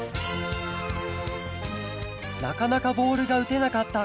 なかなかボールがうてなかった